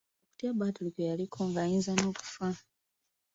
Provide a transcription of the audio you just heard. Okutya Badru kwe yaliko ng'ayinza n'okufa.